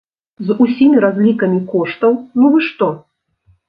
З ўсімі разлікамі коштаў, ну вы што!